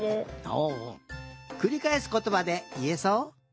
ほおくりかえすことばでいえそう？